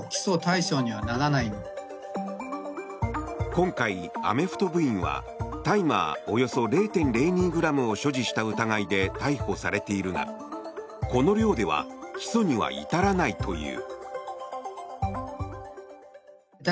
今回、アメフト部員は大麻およそ０．０２ｇを所持した疑いで逮捕されているがこの量では起訴には至らないという。